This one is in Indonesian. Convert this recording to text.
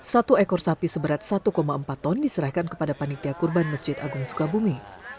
satu ekor sapi seberat satu empat ton diserahkan kepada panitia kurban masjid agung sukabumi